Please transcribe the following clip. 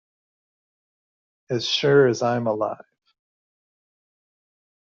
As sure as I am alive.